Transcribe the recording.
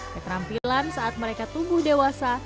keterampilan saat mereka tumbuh dewasa